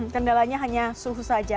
kendalanya hanya suhu saja